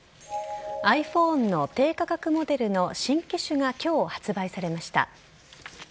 ｉＰｈｏｎｅの低価格モデルの新機種が今日発売されました。